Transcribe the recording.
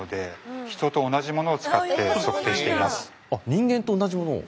人間と同じものを？